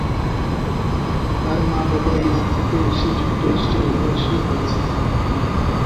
তার মা-বাবা ইরান থেকে এসে যুক্তরাষ্ট্রে অভিবাসী হয়েছেন।